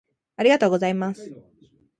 ありがとうございます。